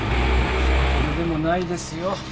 それほどでもないですよ。